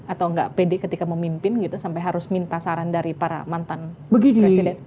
atau nggak pede ketika memimpin gitu sampai harus minta saran dari para mantan presiden